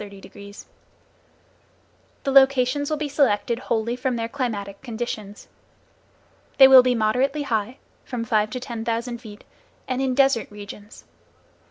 The locations will be selected wholly from their climatic conditions. They will be moderately high, from five to ten thousand feet, and in desert regions.